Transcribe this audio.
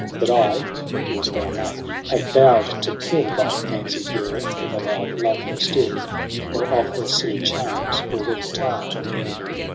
But I — do as thou may — have vow'd to kill Thy fancied girl, whether thou love her still. Or of her silly charms already tire.